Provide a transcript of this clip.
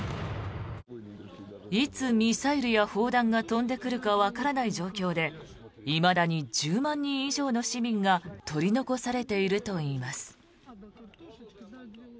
いつミサイルや砲弾が飛んでくるかわからない状況でいまだに１０万人以上の市民が取り残されているといいます。